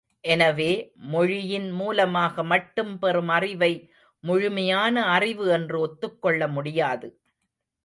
எனவே மொழியின் மூலமாக மட்டும் பெறும் அறிவை முழுமையான அறிவு என்று ஒத்துக்கொள்ள முடியாது.